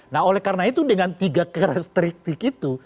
nah oleh karena itu dengan tiga karakteristik itu